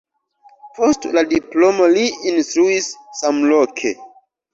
Post la diplomo li instruis samloke.